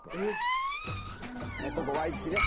ここワイキキね。